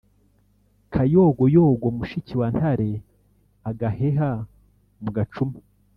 Kayogoyogo mushiki wa Ntare-Agaheha mu gacuma.